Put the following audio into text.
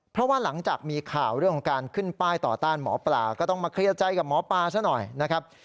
เพราะว่าหลังจากมีข่าวเรื่องของการขึ้นป้ายต่อต้านหมอปลาก็ต้องมาเคลียร์ใจกับหมอปลาซะหน่อยนะครับ